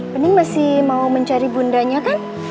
bening masih mau mencari bundanya kan